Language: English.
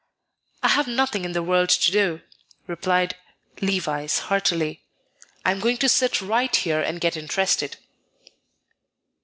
"I have nothing in the world to do," replied Levice, heartily; "I am going to sit right here and get interested."